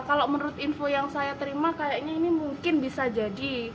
kalau menurut info yang saya terima kayaknya ini mungkin bisa jadi